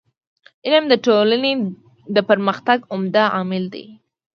علم د ټولني د پرمختګ عمده عامل دی.